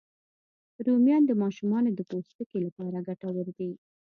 رومیان د ماشومانو د پوستکي لپاره ګټور دي